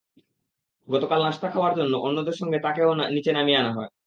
গতকাল নাশতা খাওয়ার জন্য অন্যদের সঙ্গে তাঁকেও নিচে নামিয়ে আনা হয়।